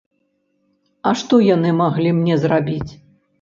А што яны маглі мне зрабіць?